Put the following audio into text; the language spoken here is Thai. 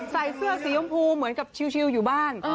ใส่เสื้อสีย้มพูเหมือนกับชิวอยู่บ้าน